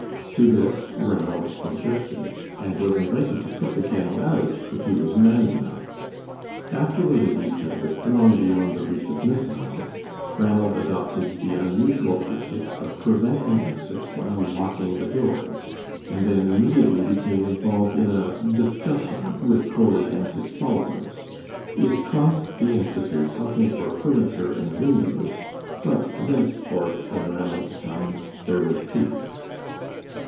To this Ranald objected, and was invited to put the gang out if he was man enough. After the ladies had withdrawn beyond the reach of missiles, Ranald adopted the unusual tactics of preventing exit by locking the doors, and then immediately became involved in a discussion with Coley and his followers. It cost the Institute something for furniture and windows, but thenceforth in Ranald's time there was peace.